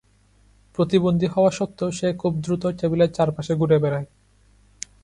প্রতিবন্ধী হওয়া সত্ত্বেও সে খুব দ্রুত টেবিলের চারপাশে ঘুরে বেড়ায়।